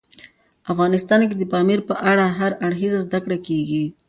افغانستان کې د پامیر په اړه هر اړخیزه زده کړه کېږي.